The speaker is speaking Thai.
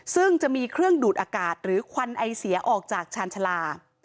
ซึ่งจะมีเครื่องดูดอากาศหรือควันไอเสียออกจากชาญชาลา